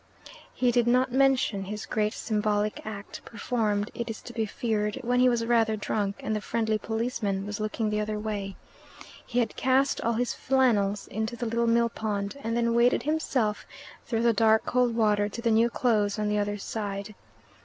He did not mention his great symbolic act, performed, it is to be feared, when he was rather drunk and the friendly policeman was looking the other way. He had cast all his flannels into the little millpond, and then waded himself through the dark cold water to the new clothes on the other side.